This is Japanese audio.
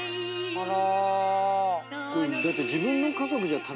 あら！